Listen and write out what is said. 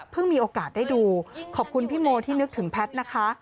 มีโอกาสได้ดูขอบคุณพี่โมที่นึกถึงแพทย์นะคะ